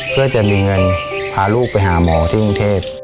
เพื่อจะมีเงินพาลูกไปหาหมอที่กรุงเทพ